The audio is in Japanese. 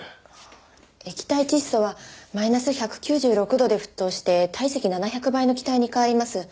液体窒素はマイナス１９６度で沸騰して体積７００倍の気体に変わります。